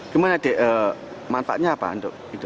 gimana dek manfaatnya apa untuk itu